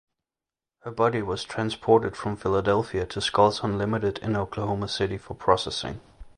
Her body was transported from Philadelphia to Skulls Unlimited in Oklahoma City for processing.